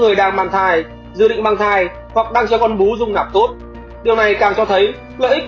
hoặc gây hại cho nhau thai hoặc thay nhi